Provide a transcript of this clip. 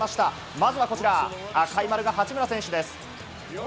まずはこちら、赤い丸が八村選手です。